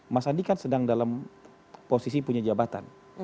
mas andi kan sedang dalam posisi punya jabatan